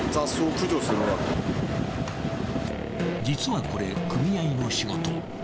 実はこれ組合の仕事。